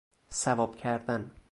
صواب کردن